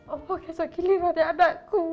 oh kek segini mati anakku